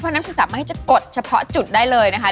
เพราะฉะนั้นคุณสามารถที่จะกดเฉพาะจุดได้เลยนะคะ